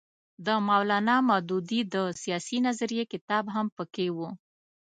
د مولانا مودودي د سیاسي نظریې کتاب هم پکې وو.